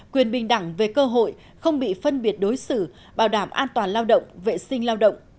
quyền bình đẳng về cơ hội không bị phân biệt đối xử bảo đảm an toàn lao động vệ sinh lao động